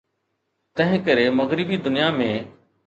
تنهنڪري مغربي دنيا ۾.